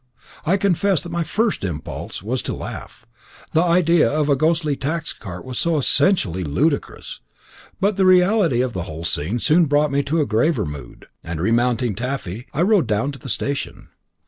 I confess that my first impulse was to laugh, the idea of a ghostly tax cart was so essentially ludicrous; but the reality of the whole scene soon brought me to a graver mood, and, remounting Taffy, I rode down to the station.